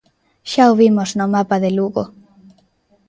Xa o vimos no mapa de Lugo.